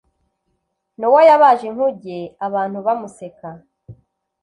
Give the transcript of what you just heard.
nowa yabaje inkuge abantu bamuseka